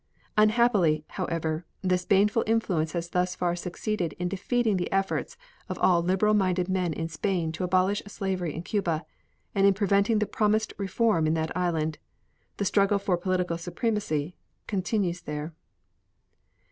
Unhappily, however, this baneful influence has thus far succeeded in defeating the efforts of all liberal minded men in Spain to abolish slavery in Cuba, and in preventing the promised reform in that island. The struggle for political supremacy continues there.